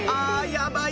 やばい